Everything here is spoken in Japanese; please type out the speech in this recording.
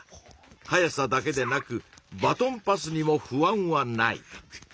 速さだけでなくバトンパスにも不安はない。